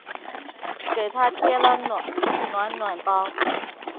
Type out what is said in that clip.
给她贴了暖暖包